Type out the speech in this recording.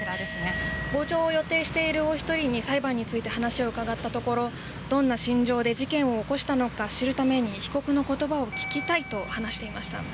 傍聴を予定しているお一人に裁判についてお話を伺ったところどんな心情で事件を起こしたのか知るために被告のことばを聞きたいと話していました。